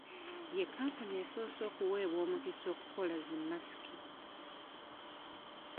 Ye kampuni esoose okuweebwa omukisa okukola zi masiki.